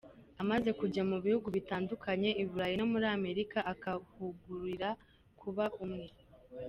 Amaze kujya mu bihugu bitandukanye I Burayi no muri Amerika, akabahugurira kuba umwe.